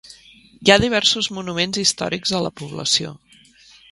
Hi ha diversos monuments històrics a la població.